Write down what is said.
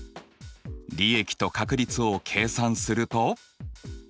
利益と確率を計算すると。